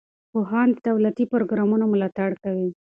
پوهان د دولتي پروګرامونو ملاتړ کوي.